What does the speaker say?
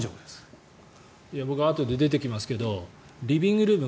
あとで出てきますけどリビングルーム